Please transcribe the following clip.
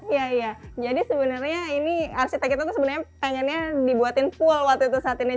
iya jadi sebenarnya arsitek kita pengen dibuatin pool saat ini